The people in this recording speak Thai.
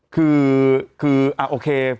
คืออ่าโอเค